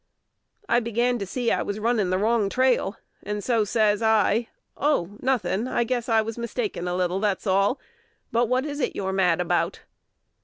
I began to see I was running the wrong trail, and so says I, "Oh! nothing: I guess I was mistaken a little, that's all. But what is it you're mad about?"